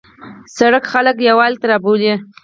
سړک خلک یووالي ته رابولي.